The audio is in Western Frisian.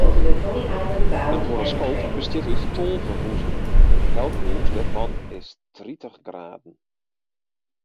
In horoskoop bestiet út tolve huzen, elk hûs dêrfan is tritich graden.